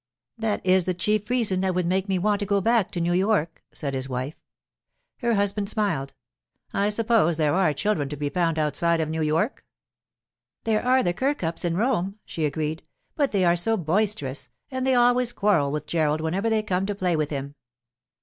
'That is the chief reason that would make me want to go back to New York,' said his wife. Her husband smiled. 'I suppose there are children to be found outside of New York?' 'There are the Kirkups in Rome,' she agreed; 'but they are so boisterous; and they always quarrel with Gerald whenever they come to play with him.